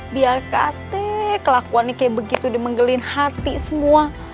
biar kakek kelakuannya kayak begitu dimenggelin hati semua